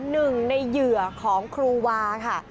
หนึ่งในเหยื่อของครูวาค่ะ